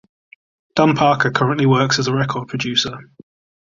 Dan Parker currently works as a record producer.